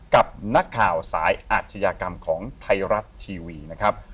กับนักข่าวสายอาชญากรรมของไทยรัฐทีวีนะครับ